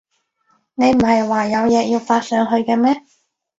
你唔喺話有嘢要發上去嘅咩？